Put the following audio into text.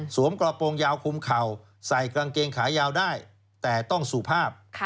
กระโปรงยาวคุมเข่าใส่กางเกงขายาวได้แต่ต้องสุภาพ